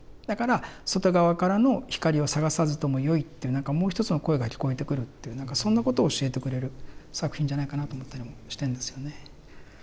だから外側からの光を探さずともよいっていうなんかもう一つの声が聞こえてくるっていうそんなことを教えてくれる作品じゃないかなと思ったりもしてんですよね。